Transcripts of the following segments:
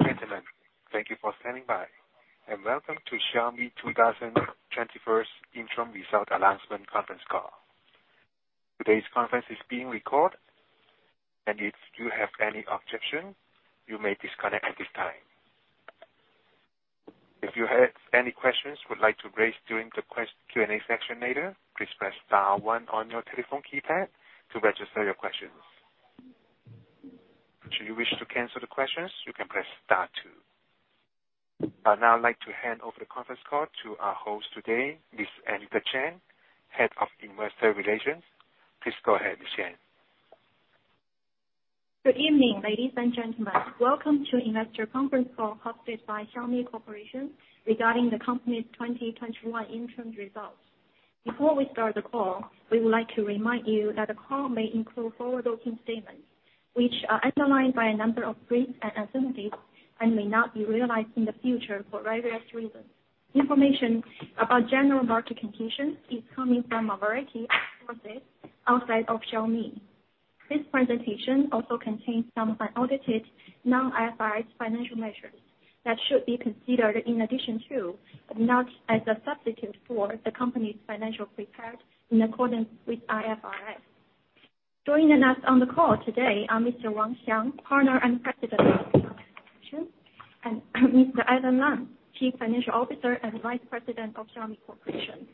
Ladies and gentlemen, thank you for standing by, and welcome to Xiaomi 2021 Interim Results Announcement Conference Call. Today's conference is being recorded, and if you have any objections, you may disconnect at this time. If you have any questions you would like to raise during the Q&A session later, please press star one on your telephone keypad to register your questions. Should you wish to cancel the questions, you can press star two. I'd now like to hand over the conference call to our host today, Ms. Anita Chen, Head of Investor Relations. Please go ahead, Ms. Chen. Good evening, ladies and gentlemen. Welcome to investor conference call hosted by Xiaomi Corporation regarding the company's 2021 interim results. Before we start the call, we would like to remind you that the call may include forward-looking statements, which are underlined by a number of risks and uncertainties and may not be realized in the future for various reasons. Information about general market conditions is coming from a variety of sources outside of Xiaomi. This presentation also contains some unaudited non-IFRS financial measures that should be considered in addition to, but not as a substitute for, the company's financial prepared in accordance with IFRS. Joining us on the call today are Mr. Wang Xiang, Partner and President of Xiaomi Corporation, and Mr. Alain Lam, Chief Financial Officer and Vice President of Xiaomi Corporation.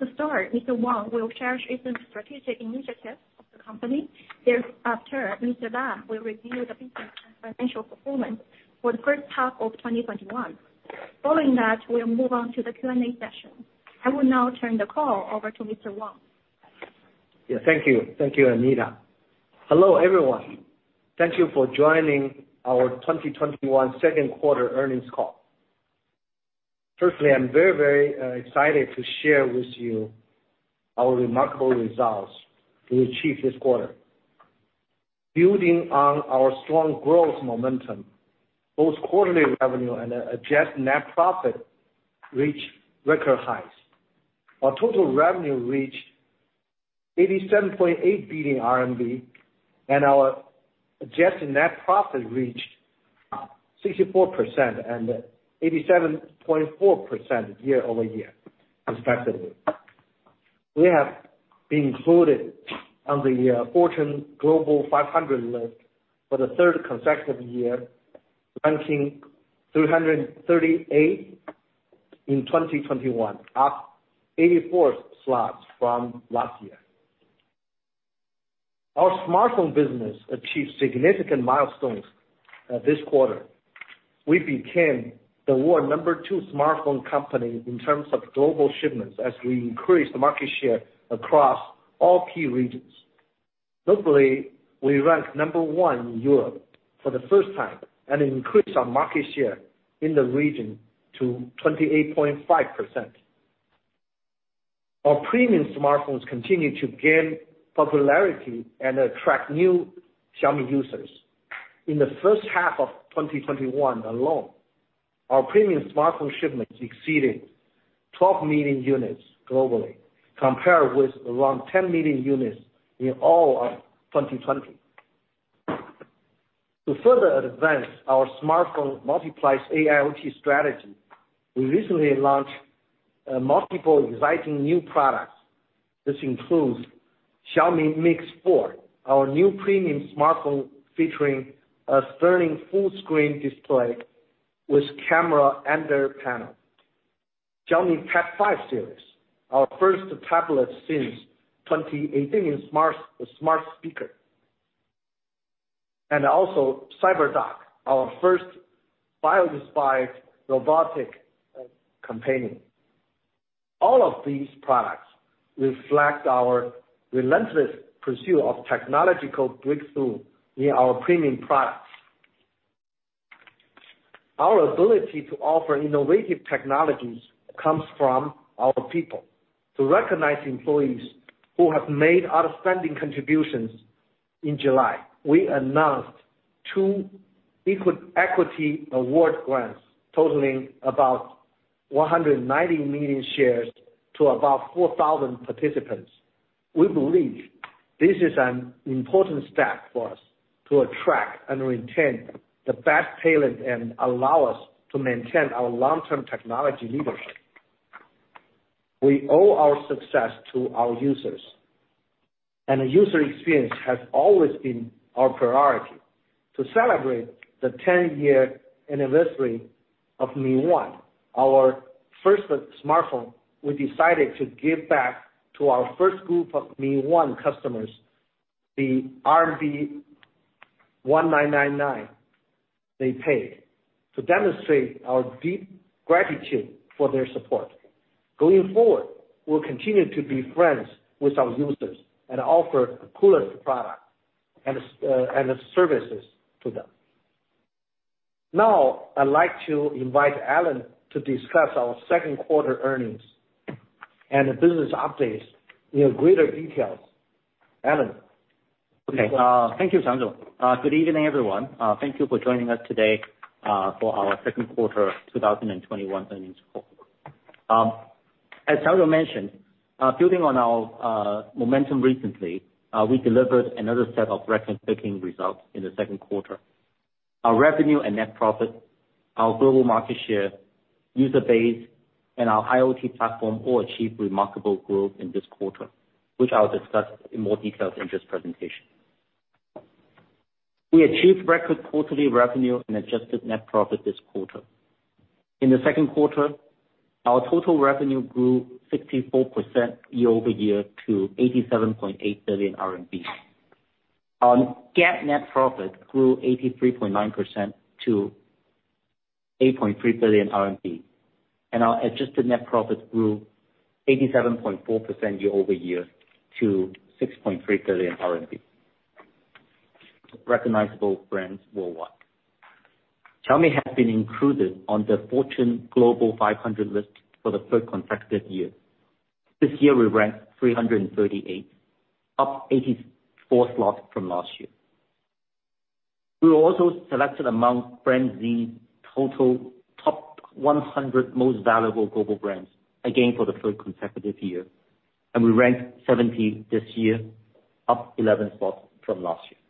To start, Mr. Wang will share recent strategic initiatives of the company. Thereafter, Mr. Lam will review the business and financial performance for the first half of 2021. Following that, we'll move on to the Q&A session. I will now turn the call over to Mr. Wang. Yeah. Thank you, Anita. Hello, everyone. Thank you for joining our 2021 second quarter earnings call. Firstly, I'm very excited to share with you our remarkable results we achieved this quarter. Building on our strong growth momentum, both quarterly revenue and adjusted net profit reached record highs. Our total revenue reached 87.8 billion RMB, and our adjusted net profit reached 64% and 87.4% year-over-year, respectively. We have been included on the Fortune Global 500 list for the third consecutive year, ranking 338 in 2021, up 84 slots from last year. Our smartphone business achieved significant milestones, this quarter. We became the world number two smartphone company in terms of global shipments, as we increased market share across all key regions. Notably, we ranked number one in Europe for the first time and increased our market share in the region to 28.5%. Our premium smartphones continue to gain popularity and attract new Xiaomi users. In the first half of 2021 alone, our premium smartphone shipments exceeded 12 million units globally, compared with around 10 million units in all of 2020. To further advance our smartphone multiplies AIoT strategy, we recently launched multiple exciting new products. This includes Xiaomi MIX 4, our new premium smartphone featuring a stunning full-screen display with camera under panel. Xiaomi Pad 5 Series, our first tablet since 2018 in smart speaker. Also CyberDog, our first bio-inspired robotic companion. All of these products reflect our relentless pursuit of technological breakthrough in our premium products. Our ability to offer innovative technologies comes from our people. To recognize employees who have made outstanding contributions, in July, we announced two equity award grants totaling about 190 million shares to about 4,000 participants. We believe this is an important step for us to attract and retain the best talent and allow us to maintain our long-term technology leadership. We owe our success to our users, and user experience has always been our priority. To celebrate the 10-year anniversary of Mi 1, our first smartphone, we decided to give back to our first group of Mi 1 customers the 1,999 they paid to demonstrate our deep gratitude for their support. Going forward, we'll continue to be friends with our users and offer the coolest product and services to them. Now, I'd like to invite Alain to discuss our second quarter earnings and the business updates in greater details. Alain. Okay. Thank you, Xiang. Good evening, everyone. Thank you for joining us today for our second quarter 2021 earnings call. As Xiang mentioned, building on our momentum recently, we delivered another set of record-breaking results in the second quarter. Our revenue and net profit, our global market share, user base, and our IoT platform all achieved remarkable growth in this quarter, which I'll discuss in more details in this presentation. We achieved record quarterly revenue and adjusted net profit this quarter. In the second quarter, our total revenue grew 64% year-over-year to CNY 87.8 billion. Our GAAP net profit grew 83.9% to 8.3 billion RMB, and our adjusted net profit grew 87.4% year-over-year to CNY 6.3 billion. Recognizable brands worldwide. Xiaomi has been included on the Fortune Global 500 list for the third consecutive year. This year, we ranked 338, up 84 slots from last year. We were also selected among BrandZ total top 100 most valuable global brands, again, for the third consecutive year. We ranked 70 this year, up 11 slots from last year.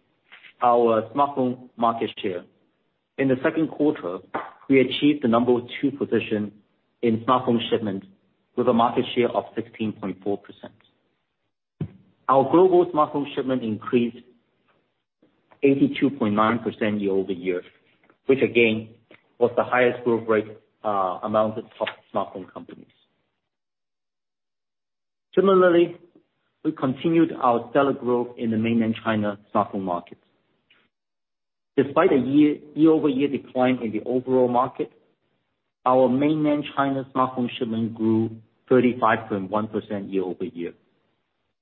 Our smartphone market share. In the second quarter, we achieved the number two position in smartphone shipments with a market share of 16.4%. Our global smartphone shipment increased 82.9% year-over-year, which again, was the highest growth rate among the top smartphone companies. Similarly, we continued our stellar growth in the mainland China smartphone markets. Despite a year-over-year decline in the overall market, our mainland China smartphone shipment grew 35.1% year-over-year.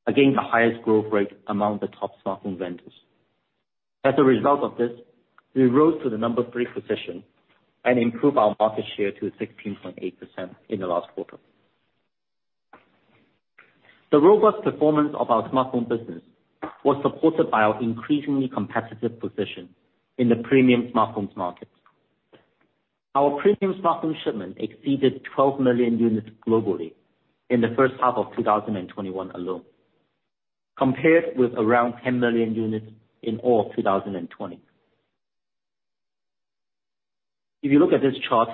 Again, the highest growth rate among the top smartphone vendors. As a result of this, we rose to the number three position and improved our market share to 16.8% in the last quarter. The robust performance of our smartphone business was supported by our increasingly competitive position in the premium smartphones markets. Our premium smartphone shipment exceeded 12 million units globally in the first half of 2021 alone, compared with around 10 million units in all of 2020. If you look at this chart,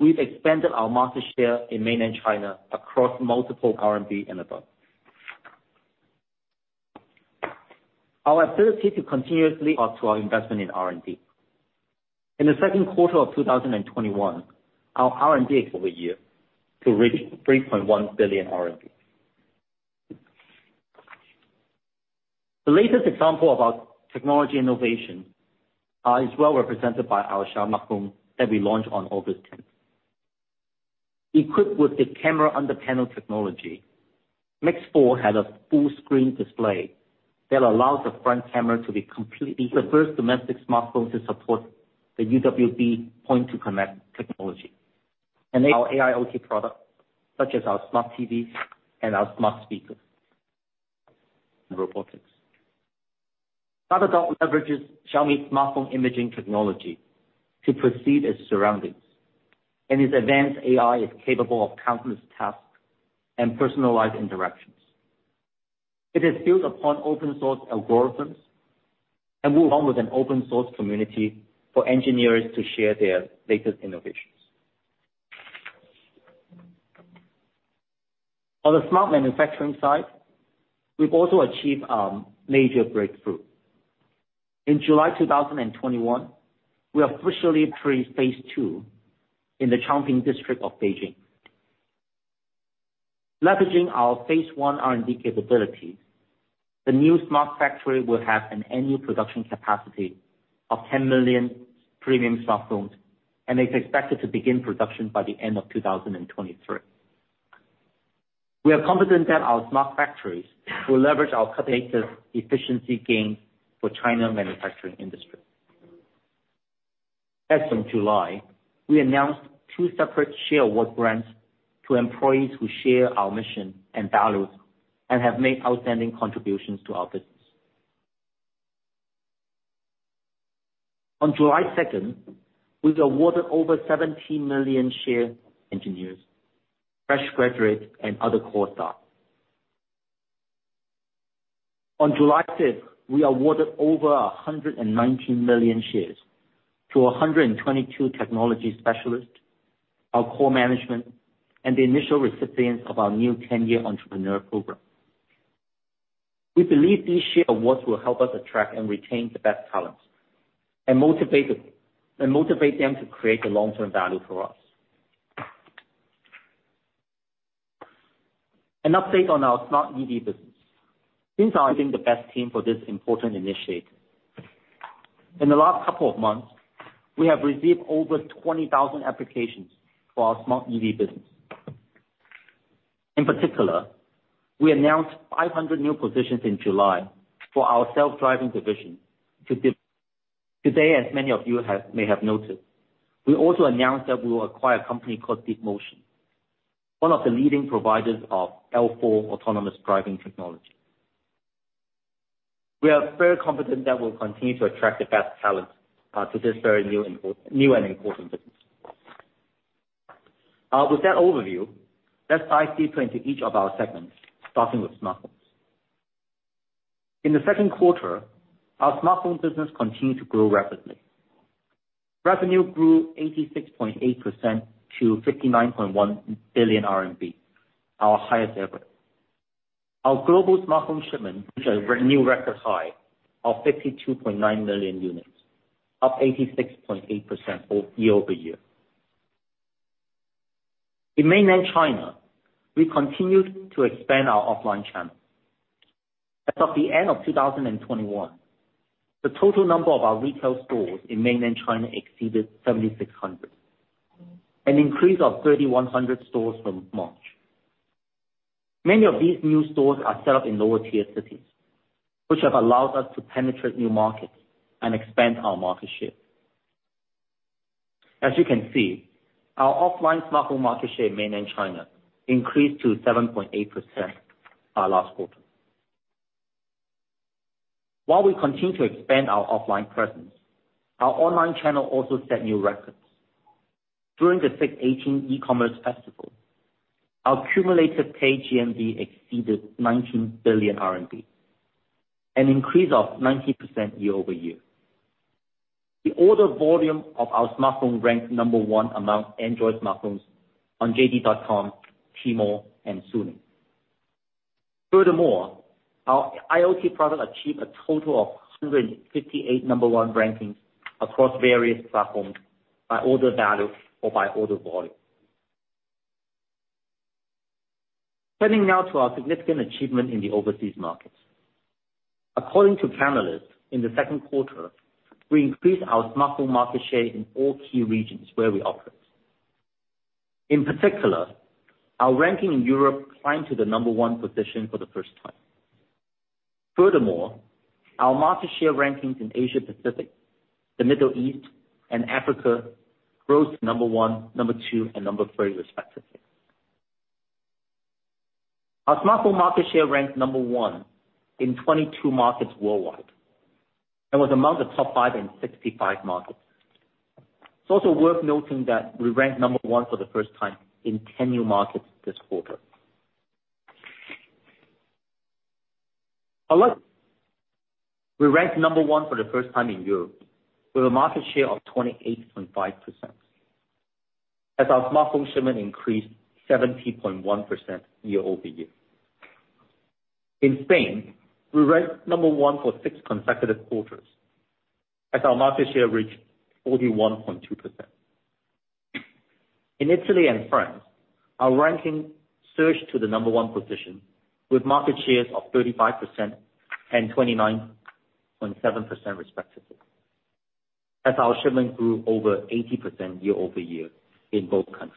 we've expanded our market share in mainland China across multiple RMB and above. Our ability to continuously up to our investment in R&D. In the second quarter of 2021, our R&D year-over-year to reach CNY 3.1 billion. The latest example of our technology innovation is well represented by our Xiaomi smartphone that we launched on August 10th. Equipped with the camera under panel technology, MIX 4 had a full screen display that allows the front camera to be completely the first domestic smartphone to support the UWB point-to-connect technology. Our AIoT products, such as our smart TVs and our smart speakers and robotics. CyberDog leverages Xiaomi smartphone imaging technology to perceive its surroundings, and its advanced AI is capable of countless tasks and personalized interactions. It is built upon open source algorithms and move on with an open source community for engineers to share their latest innovations. On the smart manufacturing side, we've also achieved a major breakthrough. In July 2021, we officially entered phase II in the Changping District of Beijing. Leveraging our phase one R&D capabilities, the new smart factory will have an annual production capacity of 10 million premium smartphones, and it's expected to begin production by the end of 2023. We are confident that our smart factories will leverage our efficiency gain for China manufacturing industry. As from July, we announced two separate share award grants to employees who share our mission and values and have made outstanding contributions to our business. On July 2nd, we awarded over 17 million shares to engineers, fresh graduates, and other core staff. On July 5th, we awarded over 119 million shares to 122 technology specialists, our core management, and the initial recipients of our new 10-year entrepreneur program. We believe these share awards will help us attract and retain the best talents and motivate them to create the long-term value for us. An update on our smart EV business. Since I think the best team for this important initiative. In the last couple of months, we have received over 20,000 applications for our smart EV business. In particular, we announced 500 new positions in July for our self-driving division. Today, as many of you may have noticed, we also announced that we will acquire a company called DeepMotion, one of the leading providers of L4 autonomous driving technology. We are very confident that we'll continue to attract the best talent to this very new and important business. With that overview, let's dive deeper into each of our segments, starting with smartphones. In the second quarter, our smartphone business continued to grow rapidly. Revenue grew 86.8% to 59.1 billion RMB, our highest ever. Our global smartphone shipments reached a new record high of 52.9 million units, up 86.8% year-over-year. In mainland China, we continued to expand our offline channels. As of the end of 2021, the total number of our retail stores in mainland China exceeded 7,600, an increase of 3,100 stores from March. Many of these new stores are set up in lower tier cities, which have allowed us to penetrate new markets and expand our market share. As you can see, our offline smartphone market share in mainland China increased to 7.8% our last quarter. While we continue to expand our offline presence, our online channel also set new records. During the 618 e-commerce festival, our cumulative paid GMV exceeded 19 billion RMB, an increase of 19% year-over-year. The order volume of our smartphone ranked number 1 among Android smartphones on JD.com, Tmall, and Suning. Furthermore, our AIoT products achieved a total of 158 number 1 rankings across various platforms by order value or by order volume. Turning now to our significant achievement in the overseas markets. According to Canalys, in the second quarter, we increased our smartphone market share in all key regions where we operate. In particular, our ranking in Europe climbed to the number one position for the first time. Furthermore, our market share rankings in Asia Pacific, the Middle East, and Africa rose to number one, number two, and number three respectively. Our smartphone market share ranked number one in 22 markets worldwide, and was among the top five in 65 markets. It's also worth noting that we ranked number one for the first time in 10 new markets this quarter. We ranked number one for the first time in Europe, with a market share of 28.5%, as our smartphone shipment increased 70.1% year-over-year. In Spain, we ranked number one for six consecutive quarters, as our market share reached 41.2%. In Italy and France, our ranking surged to the number one position with market shares of 35% and 29.7% respectively, as our shipment grew over 80% year-over-year in both countries.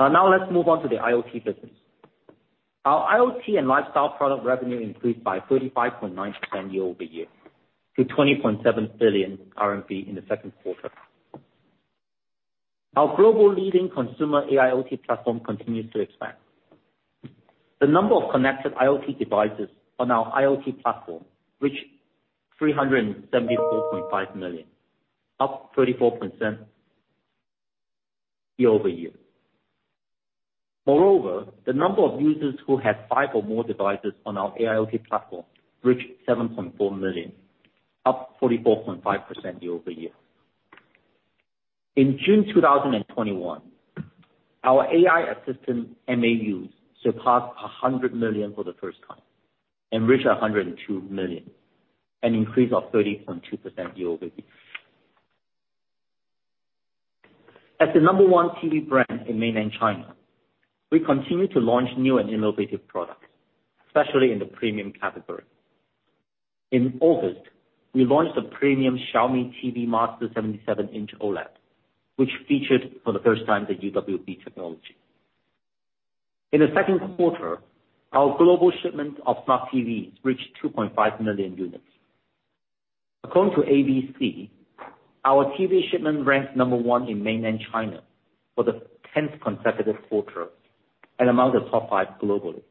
Let's move on to the AIoT business. Our AIoT and lifestyle product revenue increased by 35.9% year-over-year to 20.7 billion RMB in the second quarter. Our global leading consumer AIoT platform continues to expand. The number of connected AIoT devices on our AIoT platform reached 374.5 million, up 34% year-over-year. The number of users who have five or more devices on our AIoT platform reached 7.4 million, up 44.5% year-over-year. In June 2021, our AI assistant, MAUs, surpassed 100 million for the first time and reached 102 million, an increase of 30.2% year-over-year. As the number one TV brand in mainland China, we continue to launch new and innovative products, especially in the premium category. In August, we launched the premium Xiaomi TV Master 77-inch OLED, which featured for the first time the UWB technology. In the second quarter, our global shipment of smart TVs reached 2.5 million units. According to AVC, our TV shipment ranked number one in mainland China for the 10th consecutive quarter and among the top five globally.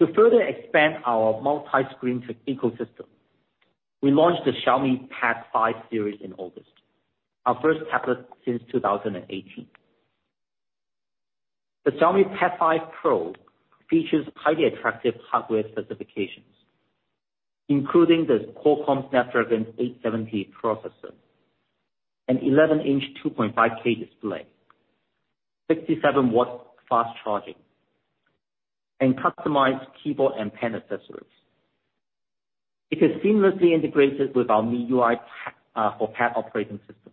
To further expand our multi-screen ecosystem, we launched the Xiaomi Pad 5 Series in August, our first tablet since 2018. The Xiaomi Pad 5 Pro features highly attractive hardware specifications, including the Qualcomm Snapdragon 870 processor, an 11-inch 2.5K display, 67 W fast charging, and customized keyboard and pen accessories. It is seamlessly integrated with our MIUI for Pad operating system,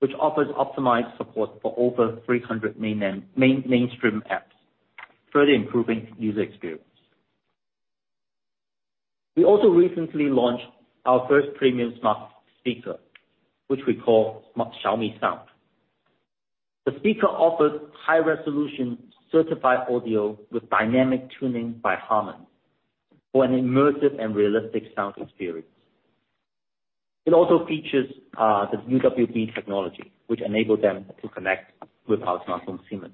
which offers optimized support for over 300 mainstream apps, further improving user experience. We also recently launched our first premium smart speaker, which we call Xiaomi Sound. The speaker offers high-resolution certified audio with dynamic tuning by Harman for an immersive and realistic sound experience. It also features the UWB technology, which enable them to connect with our smartphone seamlessly.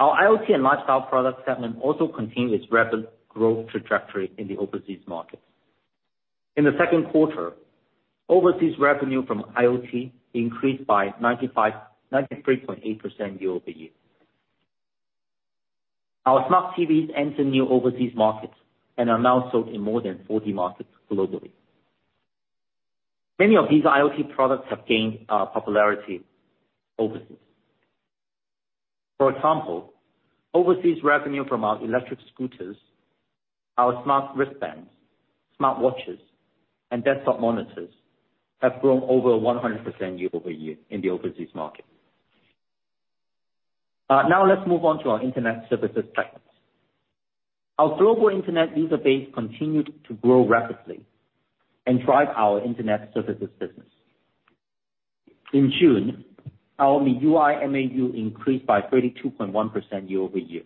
Our AIoT and lifestyle product segment also continues rapid growth trajectory in the overseas markets. In the second quarter, overseas revenue from IoT increased by 93.8% year-over-year. Our smart TVs entered new overseas markets and are now sold in more than 40 markets globally. Many of these IoT products have gained popularity overseas. For example, overseas revenue from our electric scooters, our smart wristbands, smartwatches, and desktop monitors have grown over 100% year-over-year in the overseas market. Now let's move on to our internet services segments. Our global internet user base continued to grow rapidly and drive our internet services business. In June, our MIUI MAU increased by 32.1% year-over-year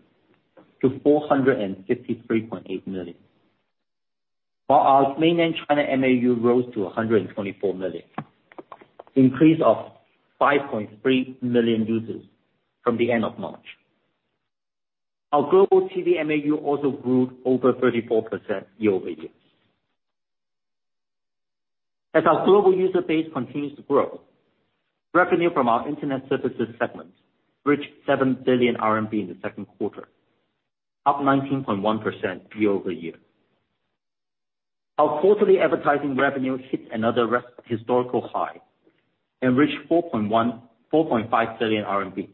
to 453.8 million. While our mainland China MAU rose to 124 million, increase of 5.3 million users from the end of March. Our global TDM AU also grew over 34% year-over-year. As our global user base continues to grow, revenue from our internet services segment reached 7 billion RMB in the second quarter, up 19.1% year-over-year. Our quarterly advertising revenue hit another historical high and reached 4.5 billion RMB,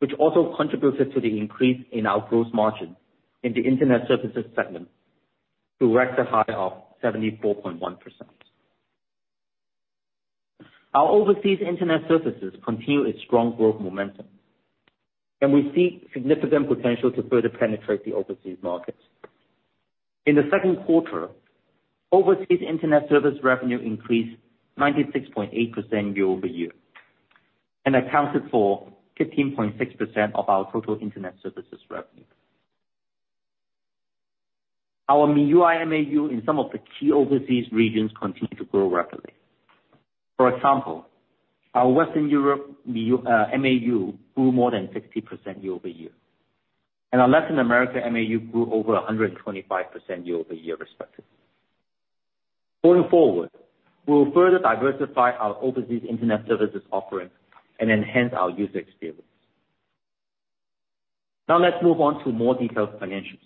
which also contributed to the increase in our gross margin in the internet services segment, to a record high of 74.1%. Our overseas internet services continue its strong growth momentum, and we see significant potential to further penetrate the overseas markets. In the second quarter, overseas internet service revenue increased 96.8% year-over-year, and accounted for 15.6% of our total internet services revenue. Our MIUI MAU in some of the key overseas regions continue to grow rapidly. For example, our Western Europe MAU grew more than 60% year-over-year. Our Latin America MAU grew over 125% year-over-year respectively. Going forward, we'll further diversify our overseas internet services offering and enhance our user experience. Let's move on to more detailed financials.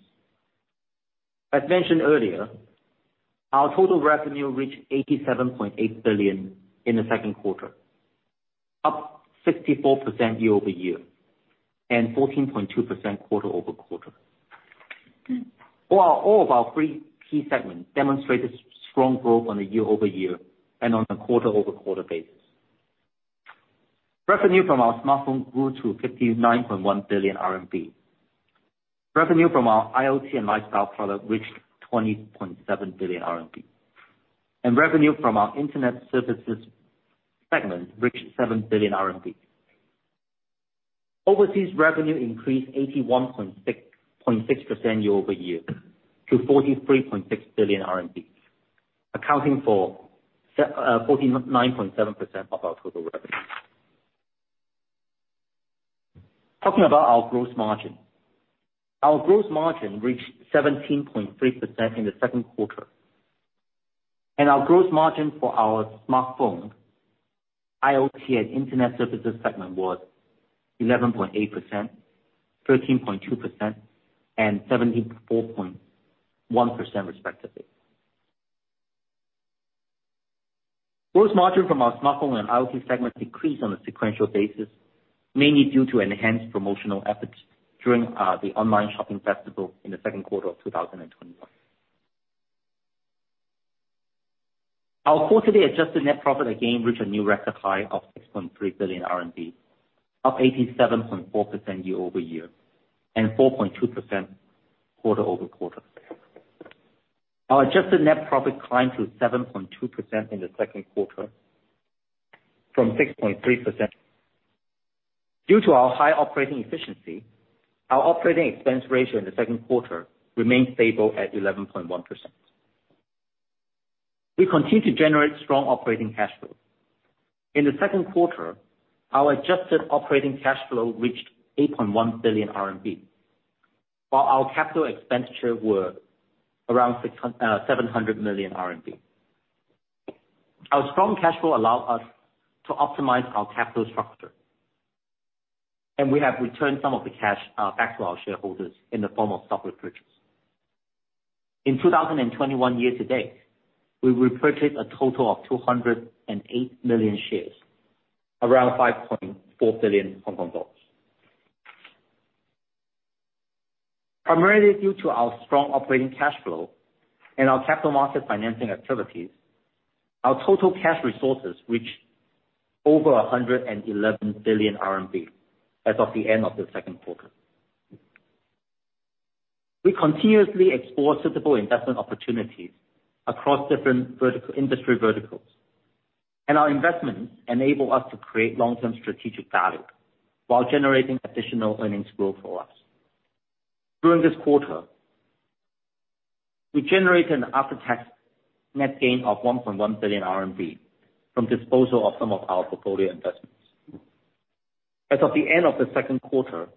As mentioned earlier, our total revenue reached 87.8 billion in the second quarter, up 64% year-over-year, and 14.2% quarter-over-quarter. All of our three key segments demonstrated strong growth on a year-over-year and on a quarter-over-quarter basis. Revenue from our smartphone grew to 59.1 billion RMB. Revenue from our AIoT and lifestyle product reached 20.7 billion RMB. Revenue from our internet services segment reached 7 billion RMB. Overseas revenue increased 81.6% year-over-year to CNY 43.6 billion, accounting for 49.7% of our total revenue. Talking about our gross margin. Our gross margin reached 17.3% in the second quarter. Our gross margin for our smartphone, IoT and internet services segment was 11.8%, 13.2%, and 17.1% respectively. Gross margin from our smartphone and AIoT segment decreased on a sequential basis, mainly due to enhanced promotional efforts during the online shopping festival in the second quarter of 2021. Our quarterly adjusted net profit again reached a new record high of 6.3 billion RMB, up 87.4% year-over-year and 4.2% quarter-over-quarter. Our adjusted net profit climbed to 7.2% in the second quarter from 6.3%. Due to our high operating efficiency, our operating expense ratio in the second quarter remained stable at 11.1%. We continue to generate strong operating cash flow. In the second quarter, our adjusted operating cash flow reached 8.1 billion RMB, while our capital expenditure were around 700 million RMB. Our strong cash flow allow us to optimize our capital structure. We have returned some of the cash back to our shareholders in the form of stock repurchase. In 2021 year-to-date, we repurchased a total of 208 million shares, around HKD 5.4 billion. Primarily due to our strong operating cash flow and our capital market financing activities, our total cash resources reached over 111 billion RMB as of the end of the second quarter. We continuously explore suitable investment opportunities across different industry verticals. Our investments enable us to create long-term strategic value while generating additional earnings growth for us. During this quarter, we generated an after-tax net gain of 1.1 billion RMB from disposal of some of our portfolio investments. As of the end of the second quarter,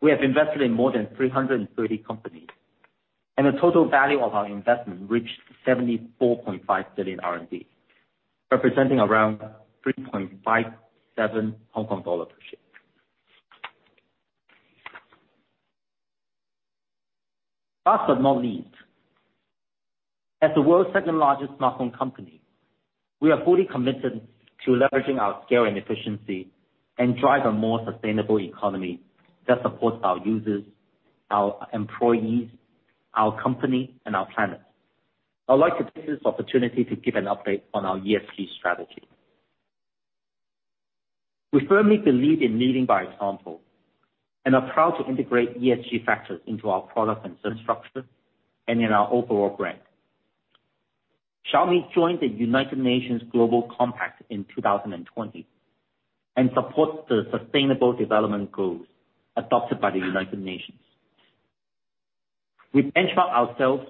we have invested in more than 330 companies, and the total value of our investment reached 74.5 billion RMB, representing around 3.57 Hong Kong dollar per share. Last but not least, as the world's second-largest smartphone company, we are fully committed to leveraging our scale and efficiency and drive a more sustainable economy that supports our users, our employees, our company, and our planet. I'd like to take this opportunity to give an update on our ESG strategy. We firmly believe in leading by example and are proud to integrate ESG factors into our product and service structure and in our overall brand. Xiaomi joined the United Nations Global Compact in 2020 and supports the sustainable development goals adopted by the United Nations. We benchmark ourselves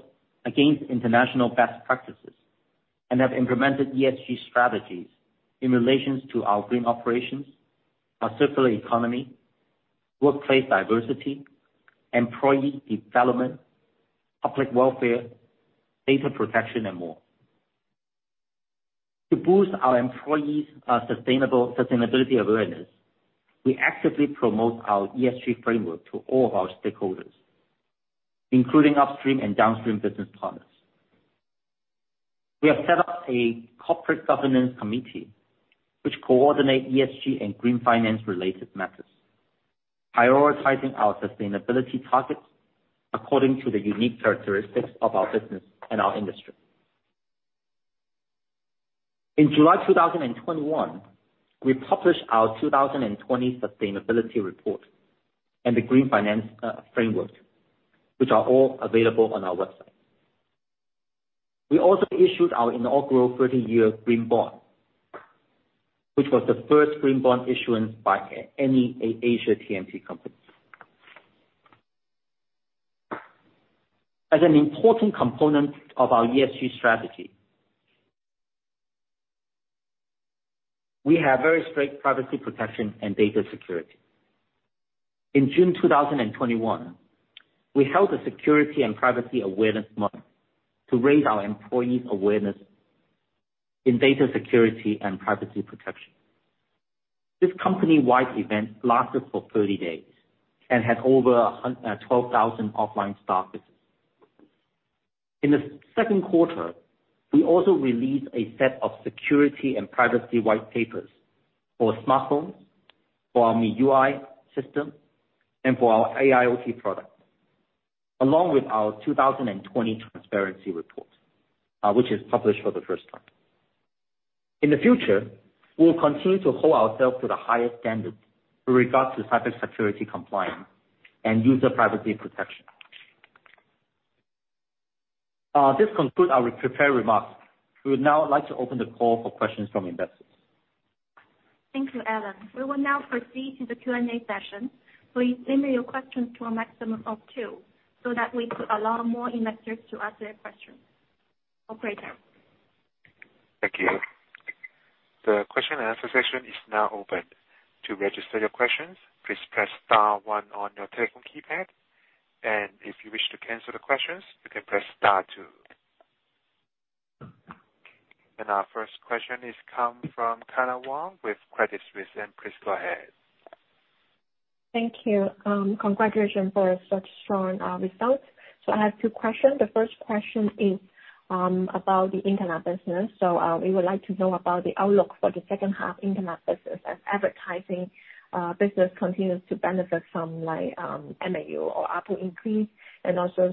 against international best practices and have implemented ESG strategies in relations to our green operations, our circular economy, workplace diversity, employee development, public welfare, data protection, and more. To boost our employees' sustainability awareness, we actively promote our ESG framework to all of our stakeholders, including upstream and downstream business partners. We have set up a Corporate Governance Committee which coordinate ESG and green finance-related matters, prioritizing our sustainability targets according to the unique characteristics of our business and our industry. In July 2021, we published our 2020 sustainability report and the green finance framework, which are all available on our website. We also issued our inaugural 30-year green bond, which was the first green bond issuance by any Asia TMT company. As an important component of our ESG strategy, we have very strict privacy protection and data security. In June 2021, we held a Security and Privacy Awareness Month to raise our employees' awareness in data security and privacy protection. This company-wide event lasted for 30 days and had over 12,000 offline staff visits. In the second quarter, we also released a set of security and privacy white papers for smartphones, for our MIUI system, and for our AIoT products, along with our 2020 transparency report, which is published for the first time. In the future, we'll continue to hold ourselves to the highest standards with regards to cybersecurity compliance and user privacy protection. This concludes our prepared remarks. We would now like to open the call for questions from investors. Thank you, Alain. We will now proceed to the Q&A session. Please limit your questions to a maximum of two so that we could allow more investors to ask their questions. Operator? Thank you. The question and answer session is now open. To register your questions, please press star one on your telephone keypad, and if you wish to cancel the questions, you can press star two. Our first question is come from Kyna Wong with Credit Suisse. Please go ahead. Thank you. Congratulations for such strong results. I have two questions. The first question is about the internet business. We would like to know about the outlook for the second half internet business as advertising business continues to benefit from MAU or ARPU increase and also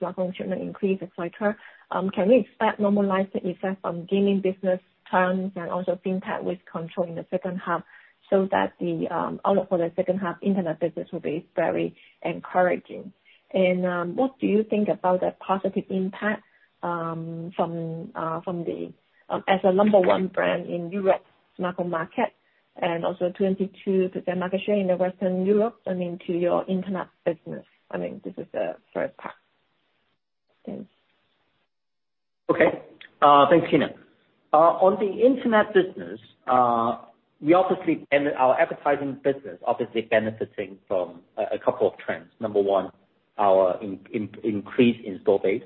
smartphone shipment increase, et cetera. Can we expect normalized effect from gaming business terms and also FinTech with control in the second half so that the outlook for the second half internet business will be very encouraging? What do you think about the positive impact as the number one brand in Europe smartphone market and also 22% market share in the Western Europe and into your internet business? This is the first part. Thanks. Thanks, Kyna. The internet business, our advertising business obviously benefiting from a couple of trends. Number one, our increased install base.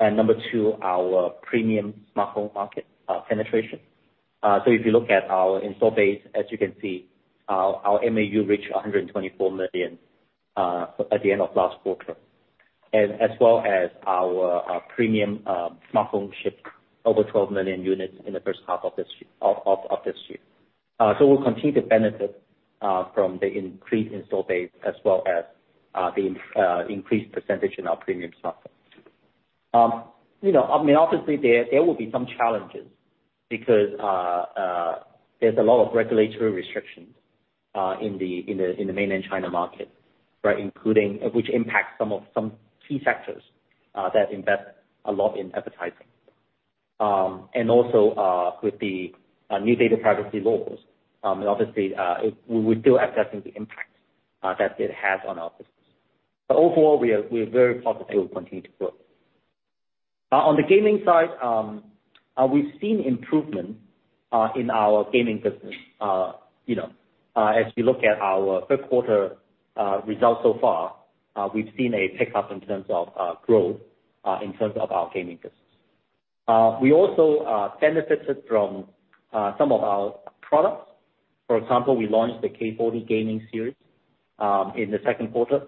Number two, our premium smartphone market penetration. If you look at our install base, as you can see, our MAU reached 124 million at the end of last quarter. As well as our premium smartphone shipped over 12 million units in the first half of this year. We'll continue to benefit from the increased install base as well as the increased percentage in our premium smartphone. Obviously, there will be some challenges because there's a lot of regulatory restrictions in the Mainland China market, right? Which impacts some key sectors that invest a lot in advertising. Also with the new data privacy laws, and obviously, we're still assessing the impact that it has on our business. Overall, we are very positive we'll continue to grow. On the gaming side, we've seen improvement in our gaming business. As we look at our third quarter results so far, we've seen a pickup in terms of growth in terms of our gaming business. We also benefited from some of our products. For example, we launched the K40 Gaming series in the second quarter,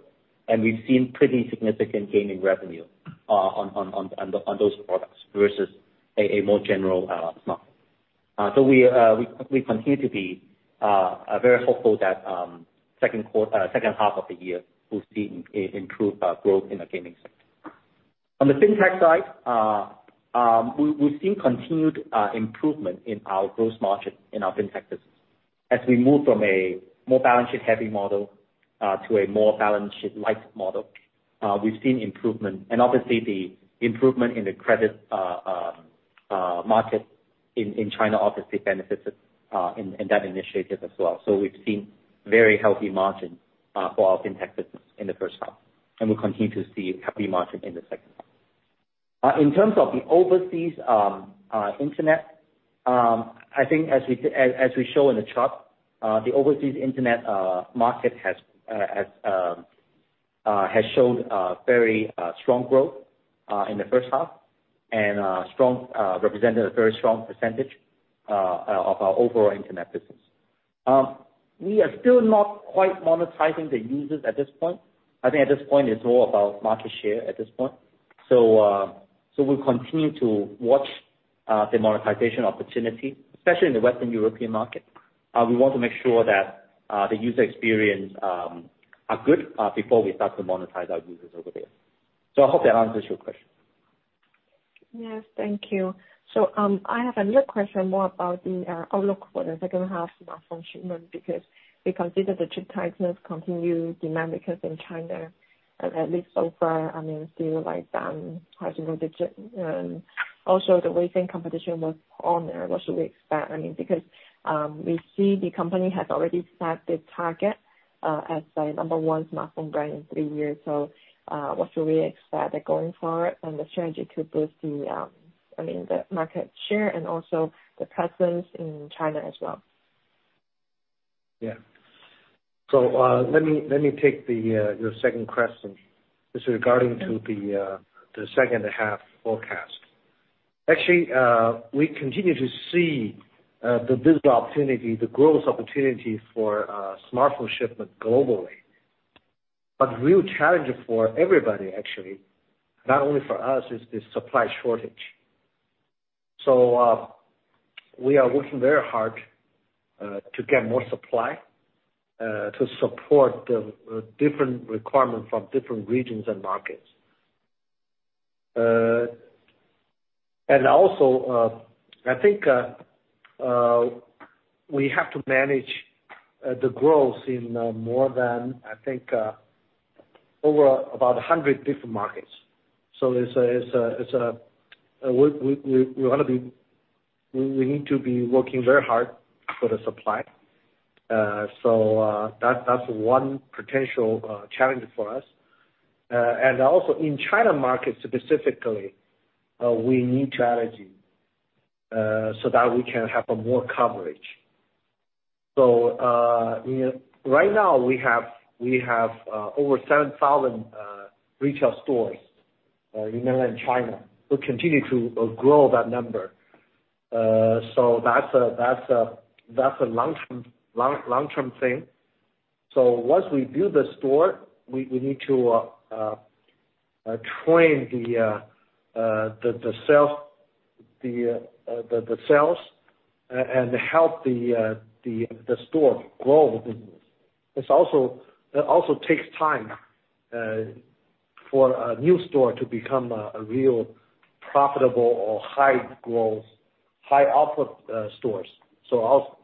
we've seen pretty significant gain in revenue on those products versus a more general smartphone. We continue to be very hopeful that second half of the year, we'll see improved growth in the gaming sector. On the FinTech side, we've seen continued improvement in our gross margin in our FinTech business. As we move from a more balance sheet heavy model, to a more balance sheet light model, we've seen improvement, and obviously the improvement in the credit market in China obviously benefits in that initiative as well. We've seen very healthy margin for our FinTech business in the first half, and we'll continue to see healthy margin in the second half. In terms of the overseas internet, I think as we show in the chart, the overseas internet market has showed a very strong growth in the first half, and represented a very strong percentage of our overall internet business. We are still not quite monetizing the users at this point. I think at this point, it's all about market share at this point. We'll continue to watch the monetization opportunity, especially in the Western European market. We want to make sure that the user experience are good before we start to monetize our users over there. I hope that answers your question. Yes. Thank you. I have another question more about the outlook for the second half smartphone shipment, because we consider the chip tightness continue demand because in China, at least so far, I mean, still like down, I don't know, digit. The way Xiaomi competition was on there, what should we expect? I mean, because we see the company has already set the target as the number 1 smartphone brand in 3 years. What should we expect going forward and the strategy to boost the, I mean, the market share and also the presence in China as well? Yeah. Let me take your second question. This is regarding the second half forecast. Actually, we continue to see the business opportunity, the growth opportunity for smartphone shipment globally. Real challenge for everybody actually, not only for us, is the supply shortage. We are working very hard to get more supply to support the different requirement from different regions and markets. Also, I think, we have to manage the growth in more than, I think, over about 100 different markets. We need to be working very hard for the supply. That's one potential challenge for us. Also in China market specifically, we need strategy, so that we can have more coverage. Right now we have over 7,000 retail stores in Mainland China. We'll continue to grow that number. That's a long-term thing. Once we build the store, we need to train the sales and help the store grow the business. That also takes time for a new store to become a real profitable or high growth, high output stores.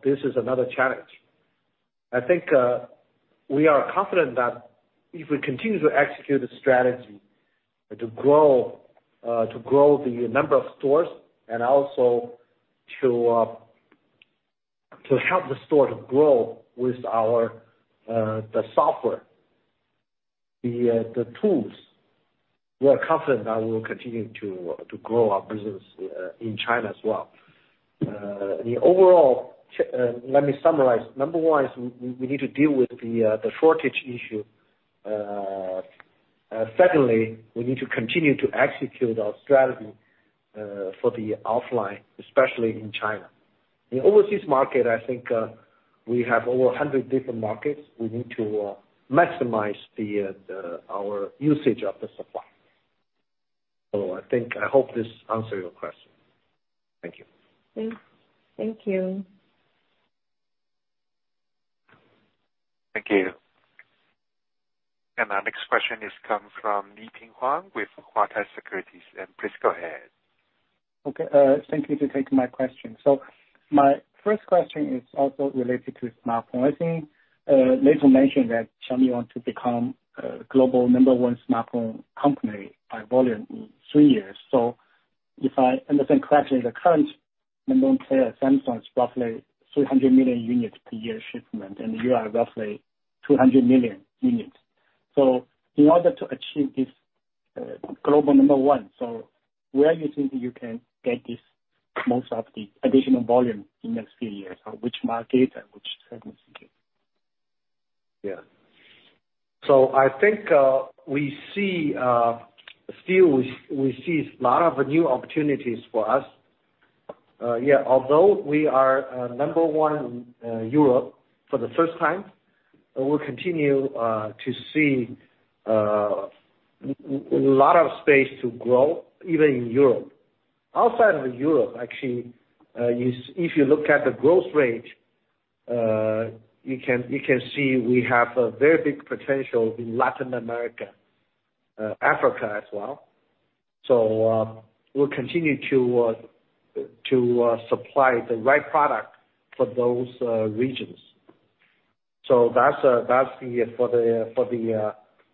This is another challenge. I think we are confident that if we continue to execute the strategy to grow the number of stores and also to help the store to grow with the software, the tools. We are confident that we will continue to grow our business in China as well. The overall, let me summarize. Number one is we need to deal with the shortage issue. Secondly, we need to continue to execute our strategy for the offline, especially in China. In overseas market, I think, we have over 100 different markets. We need to maximize our usage of the supply. I hope this answer your question. Thank you. Thank you. Thank you. Our next question comes from Leping Huang with Huatai Securities. Please go ahead. Okay. Thank you for taking my question. My first question is also related to smartphone. I think Lei mentioned that Xiaomi wants to become a global number one smartphone company by volume in three years. If I understand correctly, the current number one player, Samsung, is roughly 300 million units per year shipment, and you are roughly 200 million units. In order to achieve this global number one, where do you think you can get most of the additional volume in the next few years? On which markets and which segments is it? Yeah. I think we still see a lot of new opportunities for us. Although we are number one in Europe for the first time, we'll continue to see a lot of space to grow, even in Europe. Outside of Europe, actually, if you look at the growth rate, you can see we have a very big potential in Latin America, Africa as well. We'll continue to supply the right product for those regions. That's for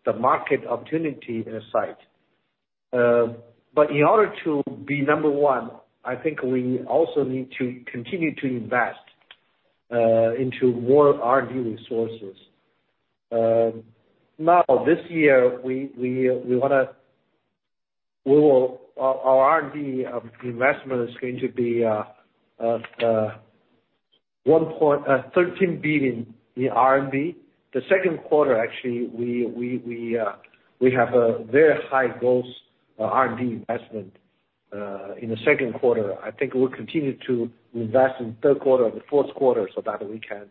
the market opportunity side. In order to be number one, I think we also need to continue to invest into more R&D resources. Now this year, our R&D investment is going to be 13 billion RMB. The second quarter, actually, we have a very high growth R&D investment. In the second quarter, I think we'll continue to invest in the third quarter or the fourth quarter so that we can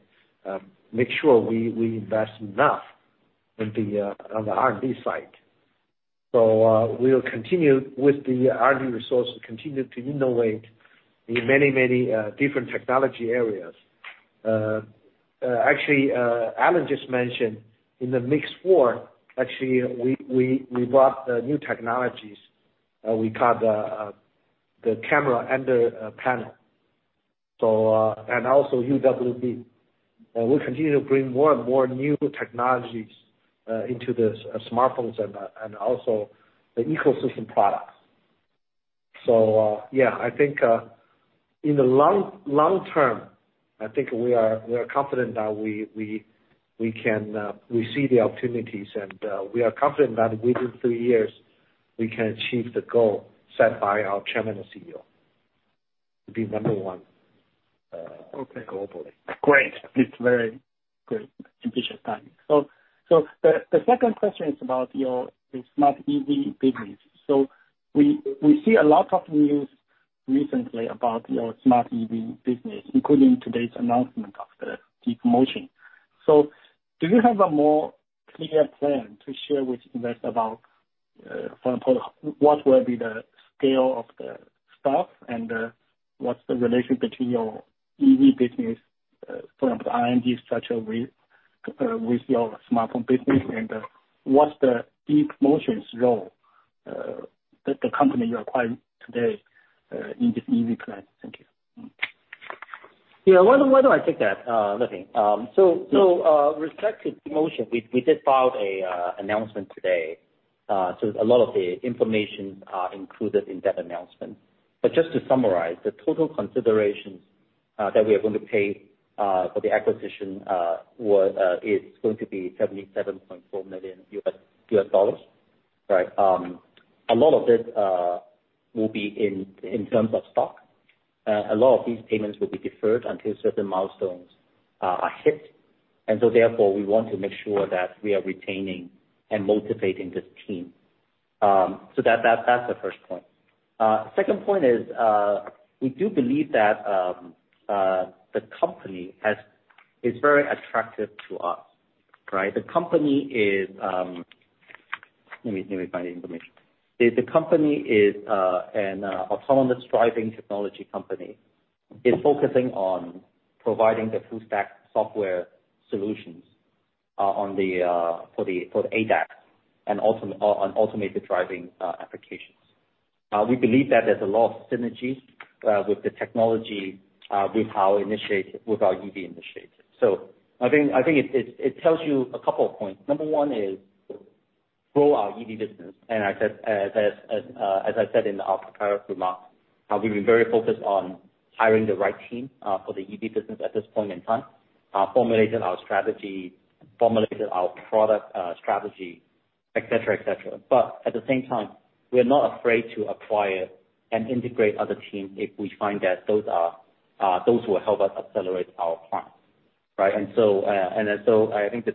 make sure we invest enough on the R&D side. We'll continue with the R&D resource to continue to innovate in many different technology areas. Actually, Alain just mentioned in the MIX 4, actually, we brought new technologies. We got the camera under panel. Also UWB. We'll continue to bring more and more new technologies into the smartphones and also the ecosystem products. I think in the long-term, I think we are confident that we see the opportunities, and we are confident that within three years we can achieve the goal set by our Chairman and CEO, to be number one globally. Great. It's very great. Efficient timing. The second question is about your Smart EV business. We see a lot of news recently about your Smart EV business, including today's announcement of the DeepMotion. Do you have a more clear plan to share with investors about what will be the scale of the staff and what's the relation between your EV business from the R&D structure with your smartphone business? What's DeepMotion's role, the company you acquired today, in this EV plan? Thank you. Yeah. Why don't I take that, Leping. Respective to DeepMotion, we did file an announcement today. A lot of the information are included in that announcement. Just to summarize, the total considerations that we are going to pay for the acquisition is going to be $77.4 million, right? A lot of this will be in terms of stock. A lot of these payments will be deferred until certain milestones are hit. Therefore, we want to make sure that we are retaining and motivating this team. That's the first point. Second point is, we do believe that the company is very attractive to us, right? Let me find the information. The company is an autonomous driving technology company. It's focusing on providing the full stack software solutions for the ADAS and on automated driving applications. We believe that there's a lot of synergies with the technology, with our EV initiatives. I think it tells you a couple of points. Number one is grow our EV business. As I said in our prepared remarks, we've been very focused on hiring the right team for the EV business at this point in time, formulated our product strategy, et cetera. At the same time, we are not afraid to acquire and integrate other teams if we find that those will help us accelerate our plan, right? I think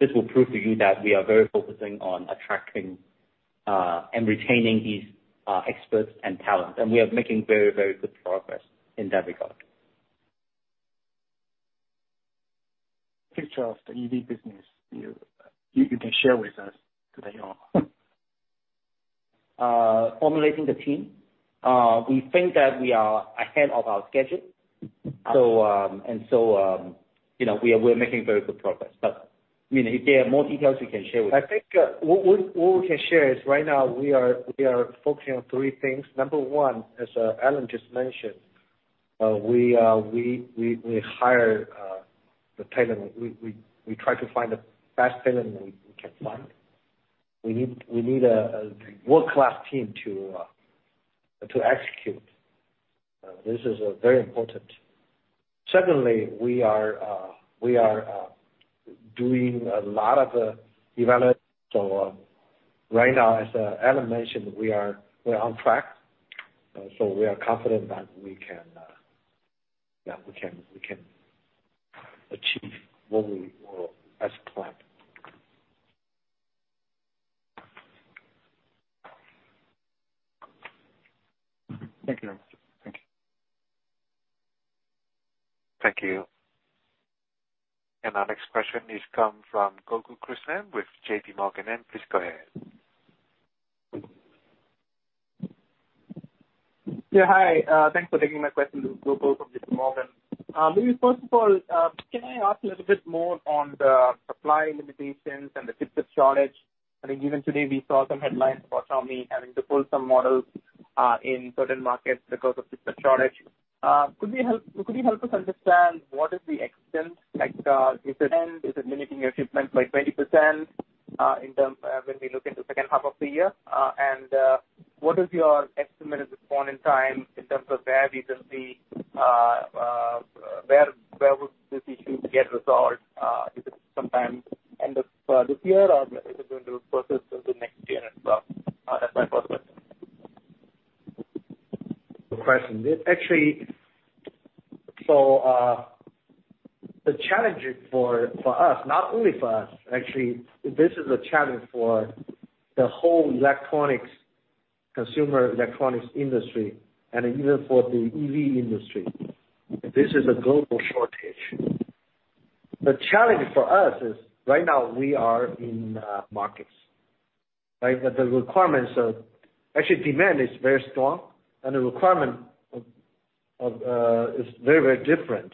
this will prove to you that we are very focusing on attracting and retaining these experts and talent. We are making very good progress in that regard. Picture of the EV business you can share with us today? Formulating the team. We think that we are ahead of our schedule. We are making very good progress. If there are more details you can share with- I think what we can share is right now we are focusing on three things. Number one, as Alain just mentioned, we hire the talent. We try to find the best talent we can find. We need a world-class team to execute. This is very important. Secondly, we are doing a lot of development. Right now, as Alain mentioned, we are on track, we are confident that we can achieve what we will as planned. Thank you very much. Thank you. Thank you. Our next question is coming from Gokul Hariharan with JPMorgan. Please go ahead. Yeah, hi. Thanks for taking my question, Gokul from JPMorgan. First of all, can I ask a little bit more on the supply limitations and the chip shortage? I think even today we saw some headlines about Xiaomi having to pull some models in certain markets because of chip shortage. Could you help us understand what is the extent? Is it limiting your shipments by 20% when we look into the second half of the year? What is your estimate at this point in time in terms of where we will see this issue get resolved? Is it sometime end of this year or is it going to persist into next year as well? That's my first question. Good question. The challenge for us, not only for us, actually, this is a challenge for the whole consumer electronics industry and even for the EV industry. This is a global shortage. The challenge for us is right now we are in markets, right? Actually, demand is very strong and the requirement is very different.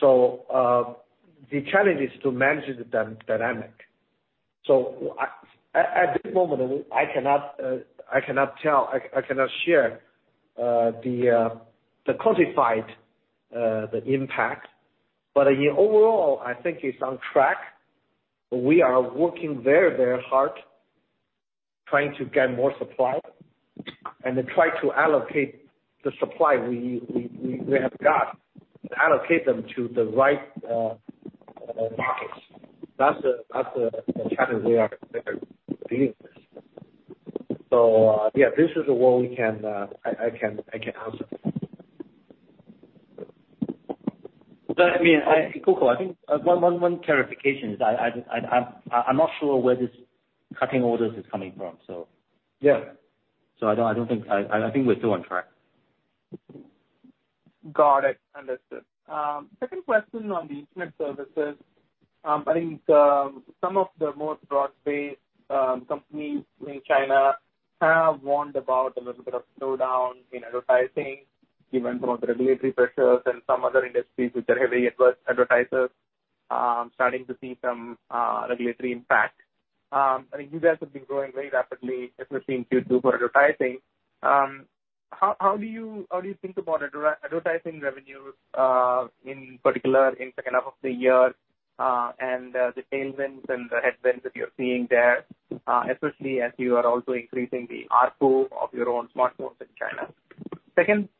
The challenge is to manage the dynamic. At this moment, I cannot share the quantified impact. Overall, I think it's on track. We are working very hard, trying to get more supply and then try to allocate the supply we have got, allocate them to the right markets. That's the challenge we are dealing with. Yeah, this is what I can answer. Gokul, I think one clarification is I'm not sure where this cutting orders is coming from. Yeah. I think we're still on track. Got it. Understood. Second question on the internet services. I think some of the more broad-based companies in China have warned about a little bit of slowdown in advertising given some of the regulatory pressures and some other industries which are heavy advertisers starting to see some regulatory impact. I think you guys have been growing very rapidly, especially in Q2, for advertising. How do you think about advertising revenues, in particular in the second half of the year, and the tailwinds and the headwinds that you're seeing there, especially as you are also increasing the ARPU of your own smartphones in China?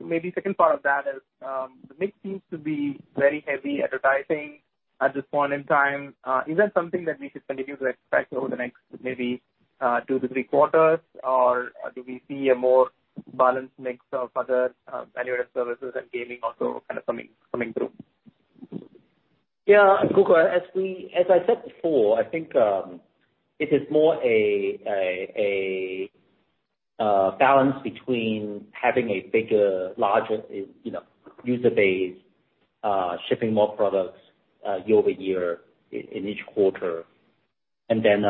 Maybe second part of that is, the mix seems to be very heavy advertising at this point in time. Is that something that we should continue to expect over the next maybe two to three quarters, or do we see a more balanced mix of other value-added services and gaming also kind of coming through? Yeah, Gokul, as I said before, I think it is more a balance between having a bigger, larger user base, shipping more products year-over-year in each quarter, and then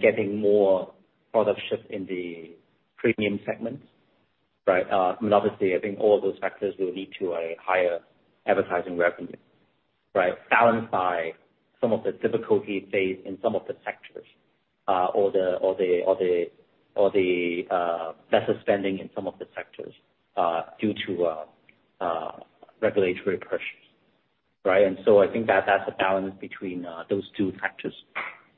getting more product shipped in the premium segments, right? Obviously, I think all those factors will lead to a higher advertising revenue, right? Balanced by some of the difficulty faced in some of the sectors or the lesser spending in some of the sectors due to regulatory pressures, right? I think that's a balance between those two factors.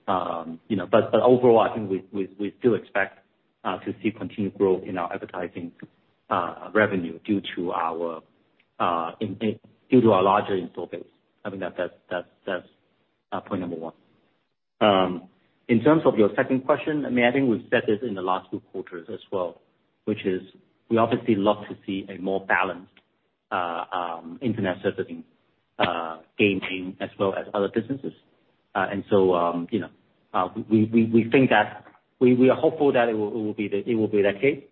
Overall, I think we still expect to see continued growth in our advertising revenue due to our larger install base. I think that's point number one. In terms of your second question, I think we've said this in the last few quarters as well, which is we obviously love to see a more balanced internet services gain as well as other businesses. We are hopeful that it will be the case.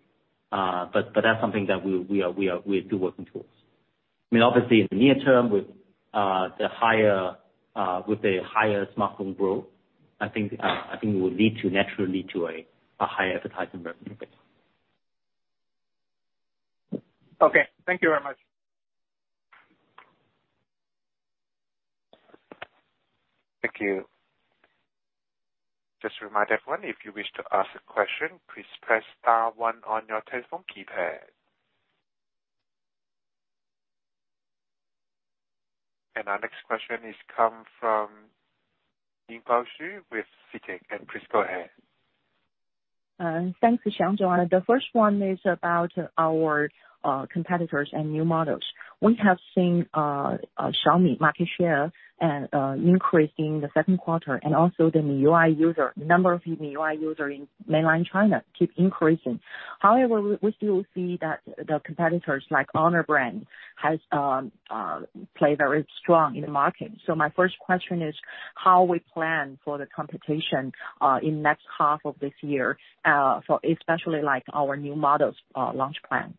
That's something that we are still working towards. I mean, obviously in the near-term with the higher smartphone growth, I think it will naturally lead to a higher advertising revenue base. Okay. Thank you very much. Thank you. Just a reminder, everyone, if you wish to ask a question, please press star one on your telephone keypad. Our next question comes from Yingbo Xu with CITIC .Please go ahead. Thanks, Wang Xiang. The first one is about our competitors and new models. We have seen Xiaomi market share increase in the second quarter, and also the MIUI user, number of new MIUI user in mainland China keep increasing. However, we still see that the competitors like Honor brand has played very strong in the market. My first question is how we plan for the competition in next half of this year, especially our new models launch plan.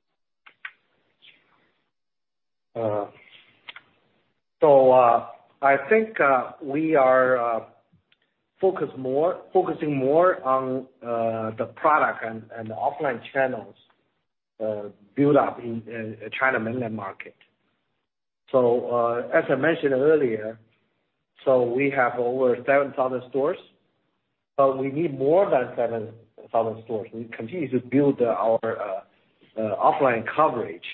I think we are focusing more on the product and the offline channels build up in China mainland market. As I mentioned earlier, we have over 7,000 stores, but we need more than 7,000 stores. We continue to build our offline coverage.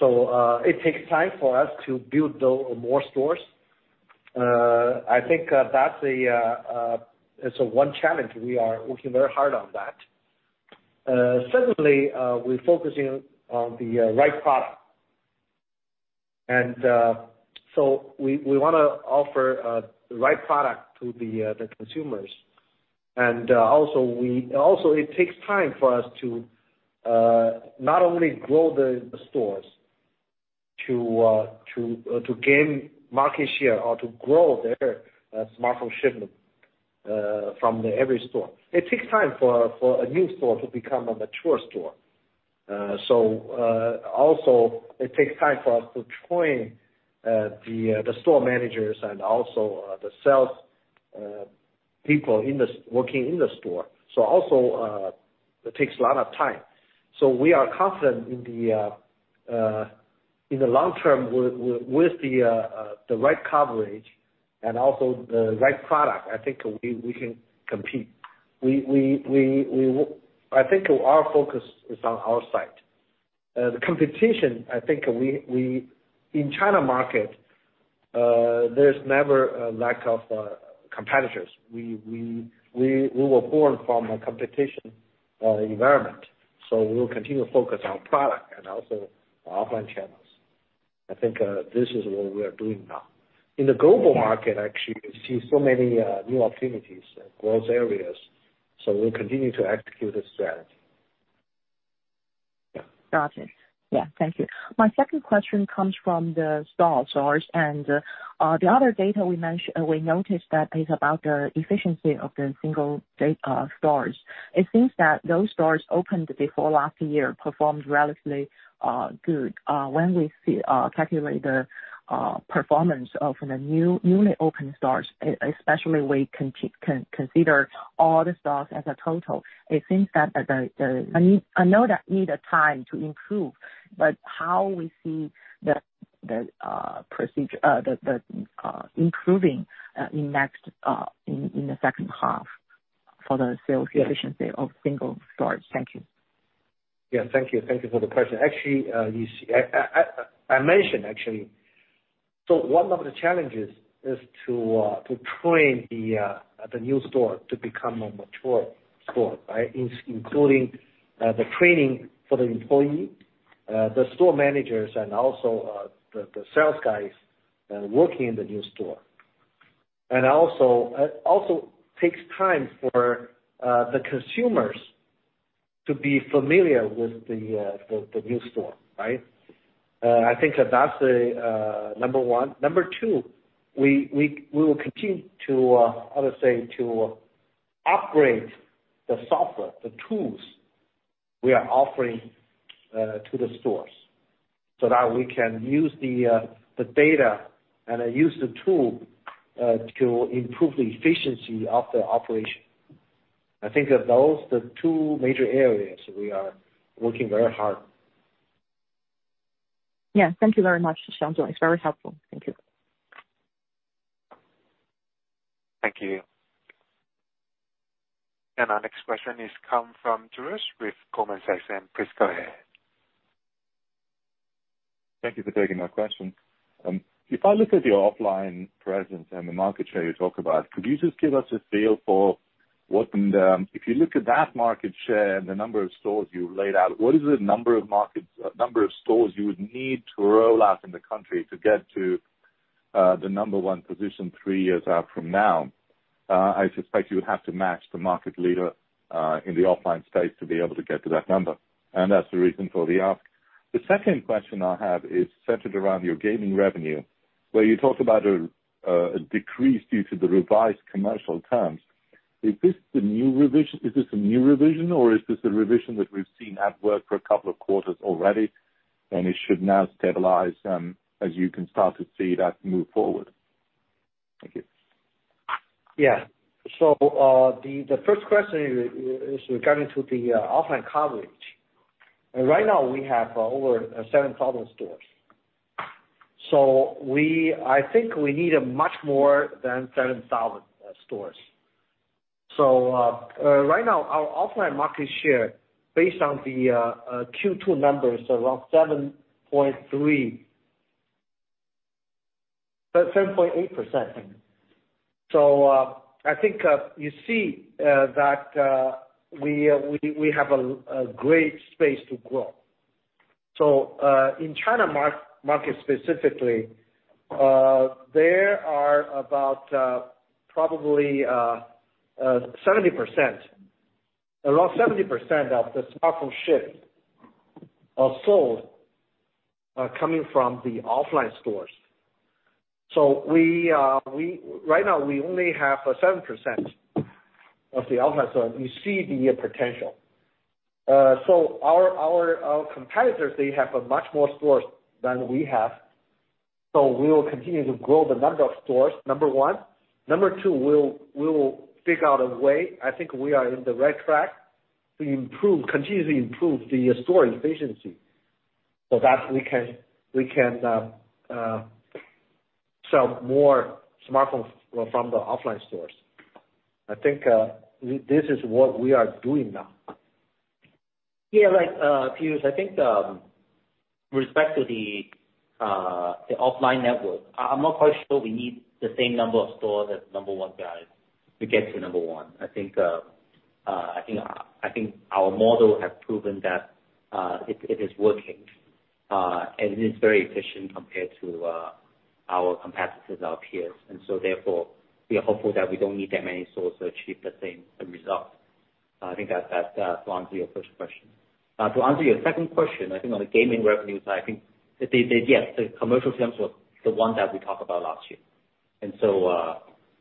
It takes time for us to build more stores. I think that's one challenge. We are working very hard on that. Secondly, we are focusing on the right product. We want to offer the right product to the consumers. Also it takes time for us to not only grow the stores, to gain market share or to grow their smartphone shipment from every store. It takes time for a new store to become a mature store. Also it takes time for us to train the store managers and also the sales people working in the store. Also it takes a lot of time. We are confident in the long term with the right coverage and also the right product, I think we can compete. I think our focus is on our side. The competition, I think in China market, there's never a lack of competitors. We were born from a competition environment, so we will continue to focus on product and also offline channels. I think this is what we are doing now. In the global market, actually, we see so many new opportunities and growth areas. We'll continue to execute this strategy. Got it. Yeah. Thank you. My second question comes from the store source and the other data we noticed that is about the efficiency of the single stores. It seems that those stores opened before last year performed relatively good. When we calculate the performance of the newly opened stores, especially we consider all the stores as a total. I know that need time to improve, but how we see the improving in the second half for the sales efficiency of single stores? Thank you. Yeah. Thank you. Thank you for the question. Actually, I mentioned. One of the challenges is to train the new store to become a mature store, right? Including the training for the employee, the store managers, and also the sales guys working in the new store. Also takes time for the consumers to be familiar with the new store, right? I think that's number one. Number two, we will continue to, how to say, to upgrade the software, the tools we are offering to the stores so that we can use the data and use the tool to improve the efficiency of the operation. I think those are the two major areas we are working very hard. Yeah. Thank you very much, Wang Xiang. It's very helpful. Thank you. Thank you. Our next question is come from Taurus with Goldman Sachs. Please go ahead. Thank you for taking my question. If I look at your offline presence and the market share you talk about, could you just give us a feel for if you look at that market share and the number of stores you laid out, what is the number of stores you would need to roll out in the country to get to the number one position three years out from now? I suspect you would have to match the market leader in the offline space to be able to get to that number, that's the reason for the ask. The second question I have is centered around your gaming revenue, where you talked about a decrease due to the revised commercial terms. Is this a new revision? Is this a revision that we've seen at work for a couple of quarters already, and it should now stabilize as you can start to see that move forward? Thank you. Yeah. The first question is regarding to the offline coverage. Right now we have over 7,000 stores. I think we need much more than 7,000 stores. Right now, our offline market share based on the Q2 numbers are around 7.8%. I think you see that we have a great space to grow. In China market specifically, there are about probably around 70% of the smartphone shipped or sold, coming from the offline stores. Right now we only have 7% of the offline stores. You see the potential. Our competitors, they have much more stores than we have. We will continue to grow the number of stores, number one. Number two, we will figure out a way. I think we are in the right track to continue to improve the store efficiency, so that we can sell more smartphones from the offline stores. I think this is what we are doing now. Yeah. Right. Taurus, I think with respect to the offline network, I am not quite sure we need the same number of stores as number one guys to get to number one. I think our model has proven that it is working, and it is very efficient compared to our competitors, our peers. Therefore, we are hopeful that we do not need that many stores to achieve the same result. I think that answers your first question. To answer your second question, I think on the gaming revenues, I think that, yes, the commercial terms were the ones that we talked about last year.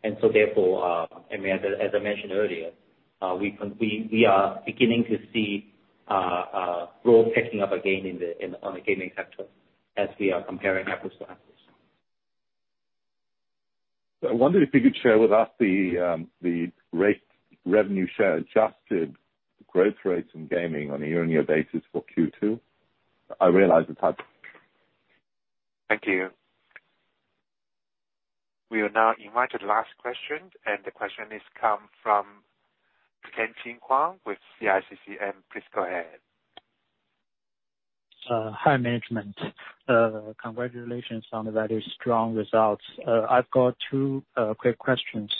Therefore, as I mentioned earlier, we are beginning to see growth picking up again on the gaming sector as we are comparing apples to apples. I wonder if you could share with us the rate revenue share adjusted growth rates in gaming on a year-on-year basis for Q2. I realize it is hard. Thank you. We will now invite the last question. The question is come from Tianqing Huang with CICC. Please go ahead. Hi, management. Congratulations on the very strong results. I have got two quick questions.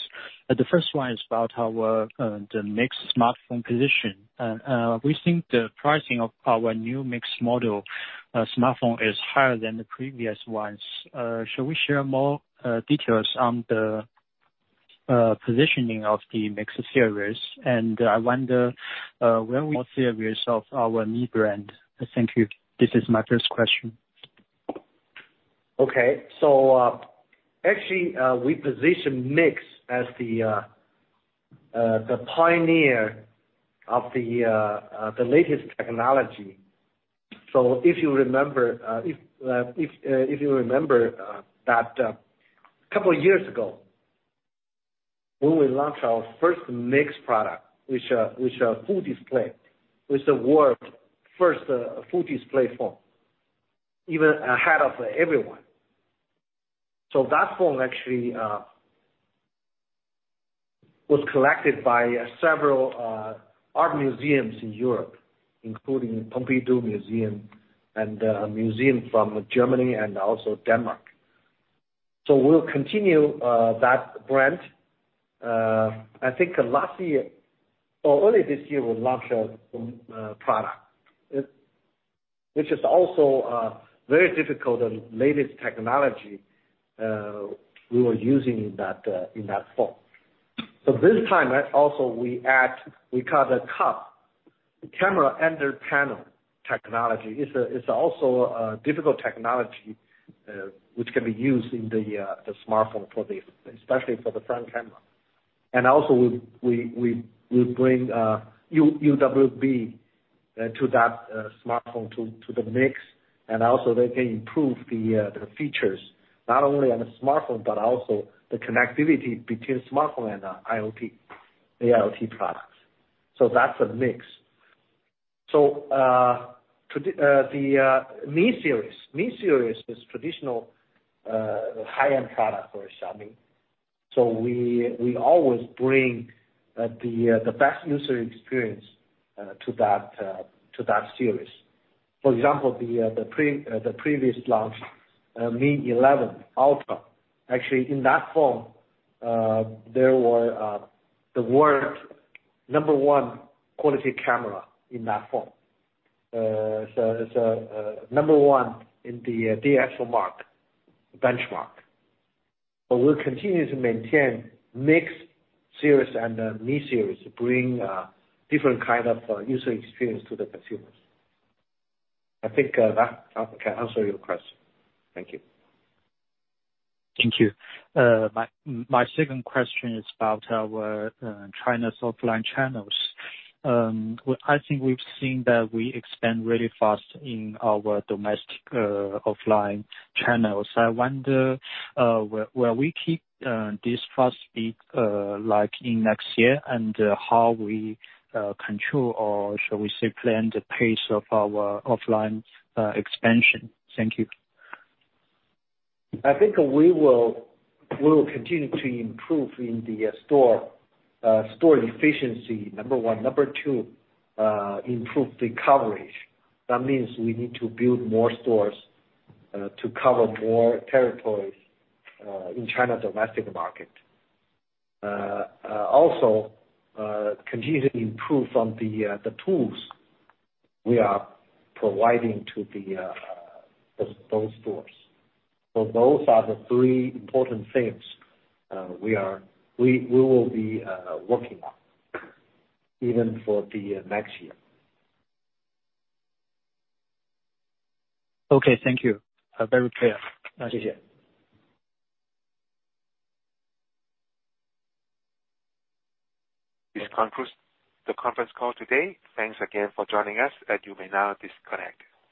The first one is about our MIX smartphone position. We think the pricing of our new MIX model smartphone is higher than the previous ones. Should we share more details on the positioning of the MIX series? I wonder when we will see a result of our new brand. Thank you. This is my first question. Actually, we position MIX as the pioneer of the latest technology. If you remember that a couple of years ago when we launched our first MIX product, which was the world's first full display phone, even ahead of everyone. That phone actually was collected by several art museums in Europe, including Pompidou Museum and a museum from Germany and also Denmark. We'll continue that brand. I think early this year we'll launch a product, which is also very difficult and latest technology we were using in that phone. This time also we add what we call the CUP, the Camera Under Panel technology. It's also a difficult technology, which can be used in the smartphone, especially for the front camera. We bring UWB to that smartphone, to the MIX, and also they can improve the features not only on the smartphone but also the connectivity between smartphone and the AIoT products. That's the MIX. The Mi series. Mi series is traditional high-end product for Xiaomi. We always bring the best user experience to that series. For example, the previous launch, Mi 11 Ultra. Actually, in that phone, there was the world's number one quality camera in that phone. It's number one in the DXOMARK benchmark. We'll continue to maintain MIX series and the Mi series to bring different kind of user experience to the consumers. I think that can answer your question. Thank you. Thank you. My second question is about our China's offline channels. I think we've seen that we expand really fast in our domestic offline channels. I wonder will we keep this fast speed in next year, and how we control or, shall we say, plan the pace of our offline expansion. Thank you. I think we will continue to improve in the store efficiency, number one. Number two, improve the coverage. That means we need to build more stores to cover more territories in China domestic market. Also, continuously improve on the tools we are providing to those stores. Those are the three important things we will be working on even for the next year. Okay. Thank you. Very clear. This concludes the conference call today. Thanks again for joining us, and you may now disconnect.